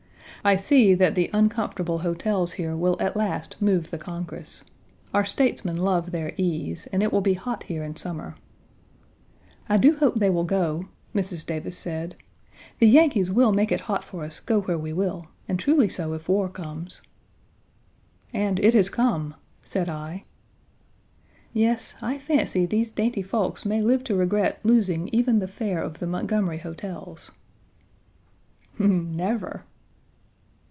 I see that the uncomfortable hotels here will at last move the Congress. Our statesmen love their ease, and it will be hot here in summer. "I do hope they will go," Mrs. Davis said. "The Yankees will make it hot for us, go where we will, and truly so if war comes." "And it, has come," said I. "Yes, I fancy these dainty folks may live to regret losing even the fare of the Montgomery hotels." "Never."